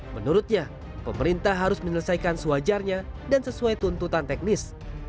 menurutnya pemerintah harus menyelesaikan sewajarnya dan sesuai tuntutan teknis